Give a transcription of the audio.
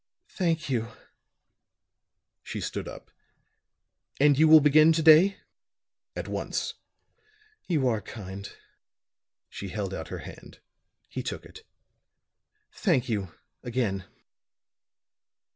"Thank you!" She stood up. "And you will begin to day?" "At once!" "You are kind." She held out her hand; he took it. "Thank you, again."